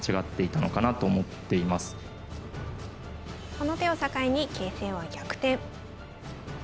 この手を境に形勢は逆転。